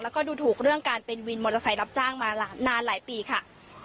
แล้วก็ดูถูกเรื่องการเป็นวินมอเตอร์ไซค์รับจ้างมานานหลายปีค่ะ